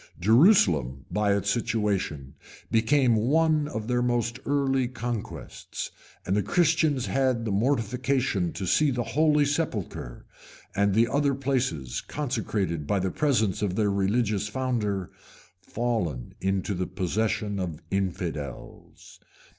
Jerusalem, by its situation, became one of their most early conquests; and the Christians had the mortification to see the holy sepulchre, and the other places consecrated by the presence of their religious founder, fallen into the possession of infidels.